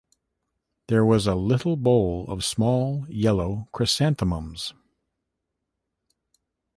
There was a little bowl of small, yellow chrysanthemums.